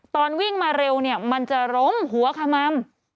ตอนวิ่งมาเร็วมันจะล้มหัวขมัม